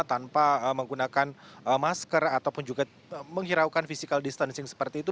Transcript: tanpa menggunakan masker ataupun juga menghiraukan physical distancing seperti itu